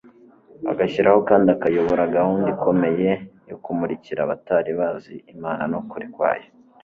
agashyiraho kandi akayobora gahunda ikomeye yo kumurikira abatari bazi imana n'ukuri kwayo